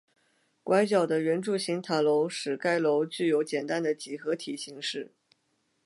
拐角的圆柱形塔楼使该楼具有简单的几何体形式。